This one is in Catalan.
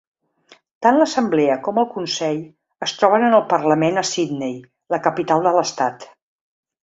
Tant l'Assemblea com el Consell es troben en el Parlament a Sydney, la capital de l'estat.